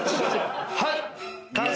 はい。